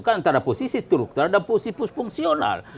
antara posisi struktural dan posisi fungsional